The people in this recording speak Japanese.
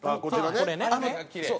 これね。